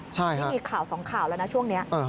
ใช่ค่ะอีกข่าวสองข่าวแล้วช่วงนี้